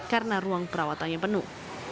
karena ruang perawatannya penuh